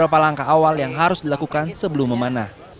ada beberapa langkah awal yang harus dilakukan sebelum memanah